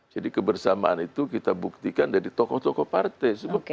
jadi kebersamaan itu kita buktikan dari tokoh tokoh partai